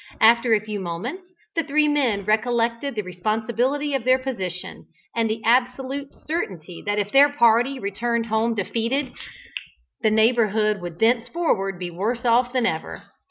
After a few moments, the three men recollected the responsibility of their position, and the absolute certainty that if their party returned home defeated, the neighbourhood would thenceforward be worse off than ever.